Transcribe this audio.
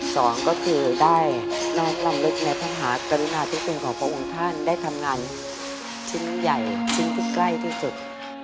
สองก็คือได้น้อมรำลึกในพระมหากรุณาธิคุณของพระองค์ท่านได้ทำงานชิ้นใหญ่ชิ้นที่ใกล้ที่สุด